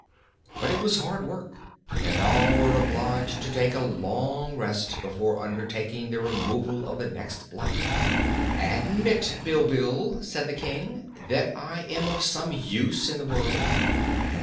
But it was hard work and all were obliged to take a long rest before undertaking the removal of the next block. "Admit, Bilbil," said the King, "that I am of some use in the world."